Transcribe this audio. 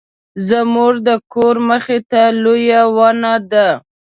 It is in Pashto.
زموږ د کور مخې ته لویه ونه ده